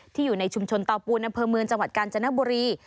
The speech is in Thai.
ที่อยู่ในชุมชนต่อปูนพเมืองจังหวัดการจนบรี